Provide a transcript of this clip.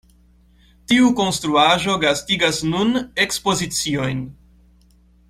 Tiu konstruaĵo gastigas nun ekspoziciojn.